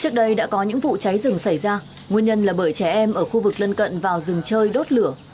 trước đây đã có những vụ cháy rừng xảy ra nguyên nhân là bởi trẻ em ở khu vực lân cận vào rừng chơi đốt lửa